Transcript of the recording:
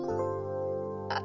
あっ。